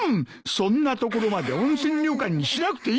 そんなところまで温泉旅館にしなくていい！